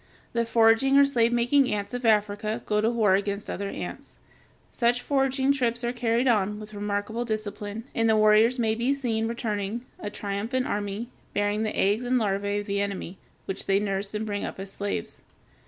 The foraging or slave making ants of Africa go to war against other ants. Such foraging trips are carried on with remarkable discipline, and the warriors may be seen returning, a triumphant army, bearing the eggs and larvæ of the enemy, which they nurse and bring up as slaves.